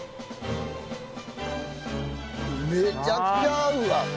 めちゃくちゃ合うわ！